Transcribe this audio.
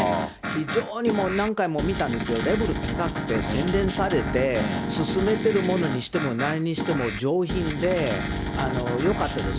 非常に、もう何回も見たんですけど、レベル高くて洗練されて、すすめてるものにしても、なんにしても上品でよかったです。